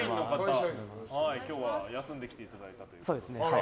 今日は休んできていただいて。